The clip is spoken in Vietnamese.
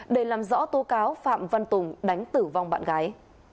để làm rõ tố cáo phạm văn tùng đánh tử vong bạn gái